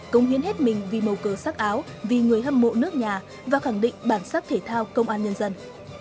công hiến hết mình vì mầu cờ sắc áo vì người hâm mộ nước nhà và khẳng định bản sắc thể thao công an nhân dân